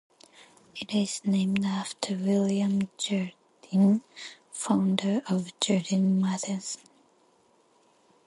It is named after William Jardine, founder of Jardine Matheson.